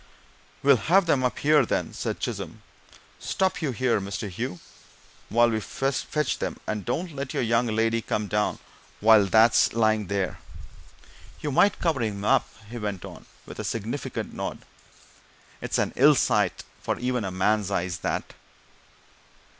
"We'll have them up here, then," said Chisholm. "Stop you here, Mr. Hugh, while we fetch them and don't let your young lady come down while that's lying here. You might cover him up," he went on, with a significant nod. "It's an ill sight for even a man's eyes, that!"